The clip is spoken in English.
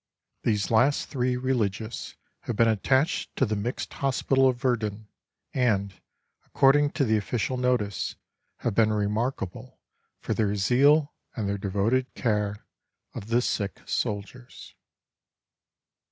These last three religious have been attached to the mixed hospital of Verdun, and, according to the official notice, have been remarkable for their zeal and their devoted care of the sick soldiers.